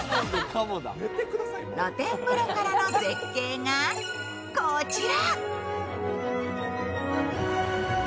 露天風呂からの絶景が、こちら。